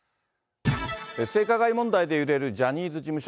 性加害問題で揺れるジャニーズ事務所。